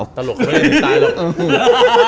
โอ้ยตลกเลย